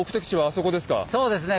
そうですね。